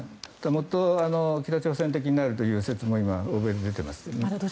もっと北朝鮮風になるという説も出ていますね。